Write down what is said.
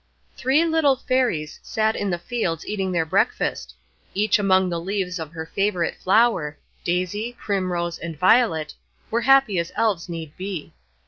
Three little Fairies sat in the fields eating their breakfast; each among the leaves of her favorite flower, Daisy, Primrose, and Violet, were happy as Elves need be.